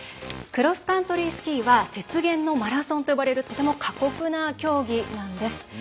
クロスカントリースキーは雪原のマラソンといわれるとても過酷な競技なんです。